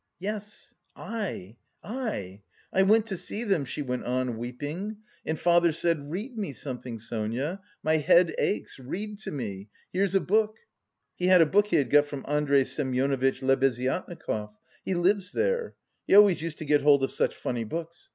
"Yes, I I. I went to see them," she went on, weeping, "and father said, 'read me something, Sonia, my head aches, read to me, here's a book.' He had a book he had got from Andrey Semyonovitch Lebeziatnikov, he lives there, he always used to get hold of such funny books.